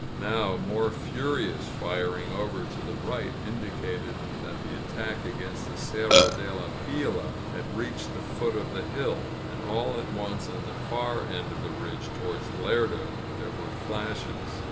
Now more furious firing over to the right indicated that the attack againat the Cerro de la Pila had reached the foot of the hill. And all at once on the far end of the ridge toward Lerdo, there were flashes.